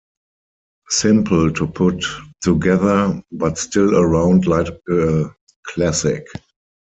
Simple to put together, but still around like a classic.